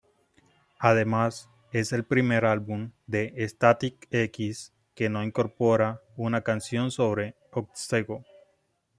Además, es el primer álbum de Static-X que no incorpora una canción sobre "otsego".